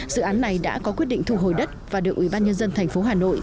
dự án này đã có quyết định thu hồi đất và được ủy ban nhân dân thành phố hà nội